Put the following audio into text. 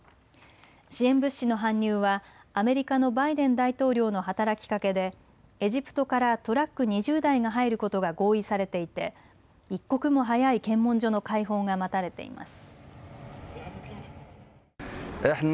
支援物資の搬入はアメリカのバイデン大統領の働きかけでエジプトからトラック２０台が入ることが合意されていて一刻も早い検問所の開放が待たれています。